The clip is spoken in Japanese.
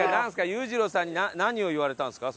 裕次郎さんに何を言われたんですか？